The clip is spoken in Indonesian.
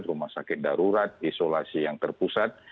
rumah sakit darurat isolasi yang terpusat